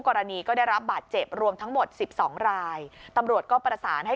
กรณีก็ได้รับบาดเจ็บรวมทั้งหมดสิบสองรายตำรวจก็ประสานให้